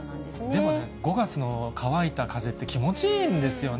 でもね、５月の乾いた風って気持ちいいんですよね。